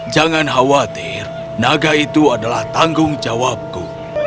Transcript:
jangan khawatir naga itu adalah tanggung jawabku